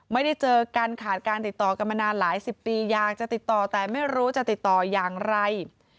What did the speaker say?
ไม่ได้เจอกันขาดการติดต่อกันมานานหลายสิบปีอยากจะติดต่อแต่ไม่รู้จะติดต่ออย่างไร